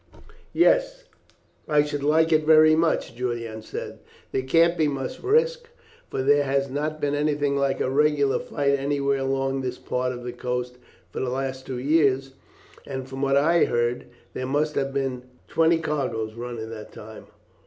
"Yes, I should like it very much," Julian said. "There can't be much risk, for there has not been anything like a regular fight anywhere along this part of the coast for the last two years, and from what I have heard, there must have been twenty cargoes run in that time."